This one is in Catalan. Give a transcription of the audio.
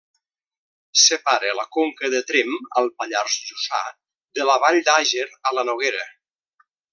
Separa la Conca de Tremp, al Pallars Jussà, de la vall d'Àger, a la Noguera.